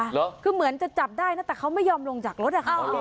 เหรอคือเหมือนจะจับได้นะแต่เขาไม่ยอมลงจากรถอะค่ะ